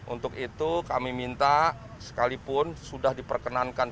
untuk itu kami minta sekalipun sudah diperkenankan